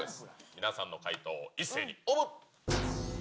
皆さんの回答を一斉にオープン。